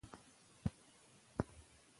هغه له پوښتنې وروسته فکر وکړ.